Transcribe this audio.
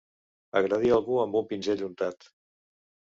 Agredir algú amb un pinzell untat.